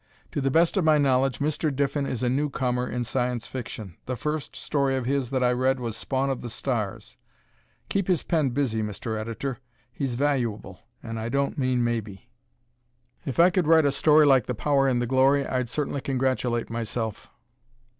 To the best of my knowledge, Mr. Diffin is a newcomer in Science Fiction. The first story of his that I read was "Spawn of the Stars." Keep his pen busy, Mr. Editor; he's valuable an' I don't mean maybe! If I could write a story like "The Power and the Glory," I'd certainly congratulate myself!